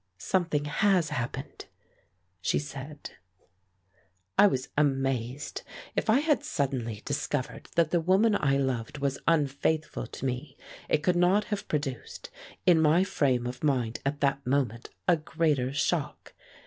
"Something has happened," she said. I was amazed. If I had suddenly discovered that the woman I loved was unfaithful to me it could not have produced, in my frame of mind at that moment, a greater shock.